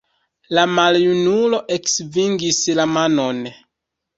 La maljunulo eksvingis la manon.